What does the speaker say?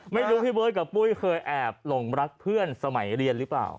ไม่รู้พี่เบิร์ตกับปุ้ยเคยแอบหลงรักเพื่อนสมัยเรียนหรือเปล่า